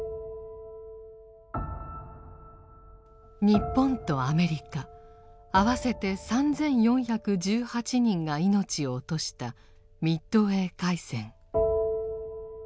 日本とアメリカあわせて３４１８人が命を落としたミッドウェー海戦。